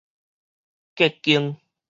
隔宮